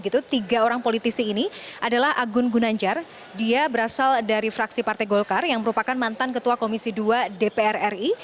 tiga orang politisi ini adalah agun gunanjar dia berasal dari fraksi partai golkar yang merupakan mantan ketua komisi dua dpr ri